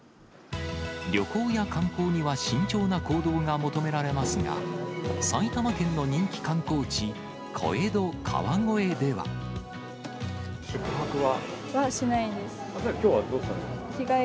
旅行や観光には慎重な行動が求められますが、埼玉県の人気観光地、宿泊は？